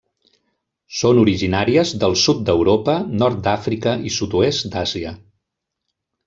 Són originàries del sud d'Europa, Nord d'Àfrica i sud-oest d'Àsia.